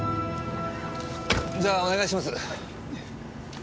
じゃあお願いします。